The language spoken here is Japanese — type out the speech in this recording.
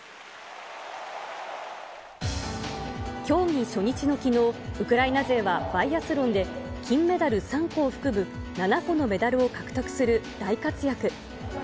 競技初日のきのう、ウクライナ勢はバイアスロンで金メダル３個を含む７個のメダルを獲得する大活躍。